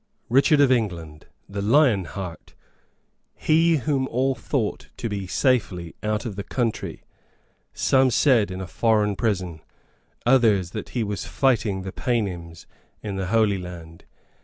Richard of England, the Lion Heart, he whom all thought to be safely out of the country some said in a foreign prison, others that he was fighting the paynims in the Holy Land.